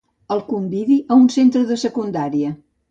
El convidi a un centre de secundària.